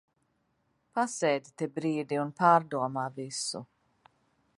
Pasēdi te brīdi un pārdomā visu.